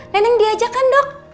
neneng diajakan dok